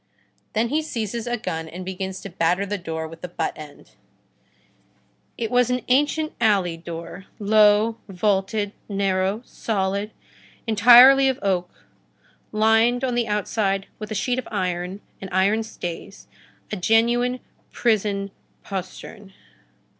Then he seizes a gun and begins to batter the door with the butt end. It was an ancient alley door, low, vaulted, narrow, solid, entirely of oak, lined on the inside with a sheet of iron and iron stays, a genuine prison postern.